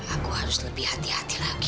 aku harus lebih hati hati lagi